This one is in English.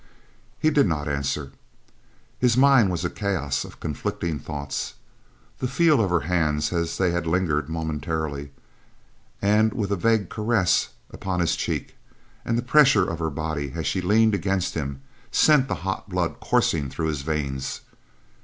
He did not answer. His mind was a chaos of conflicting thoughts. The feel of her hands as they had lingered momentarily, and with a vague caress upon his cheek, and the pressure of her body as she leaned against him sent the hot blood coursing through his veins.